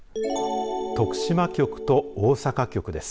徳島局と大阪局です。